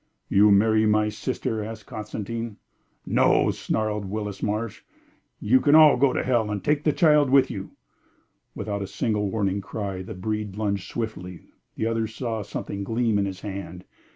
"You marry my sister?" asked Constantine. "No!" snarled Willis Marsh. "You can all go to hell and take the child with you " Without a single warning cry, the breed lunged swiftly; the others saw something gleam in his hand.